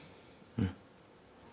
うん。